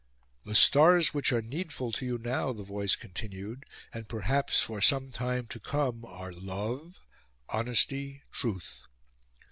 "The stars which are needful to you now," the voice continued, "and perhaps for some time to come, are Love, Honesty, Truth.